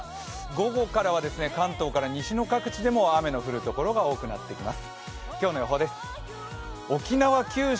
午後からは関東から西の各地でも雨の降る所が多くなってきます。